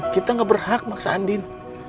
kita gak berhak maksa andin